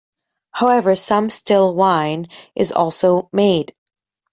However, some still wine is also made.